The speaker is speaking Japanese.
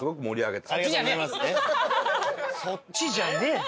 そっちじゃねえ。